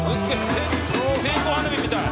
線香花火みたい。